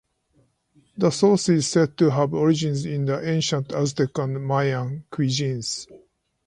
The sauce is said to have origins in the ancient Aztec and Mayan cuisines.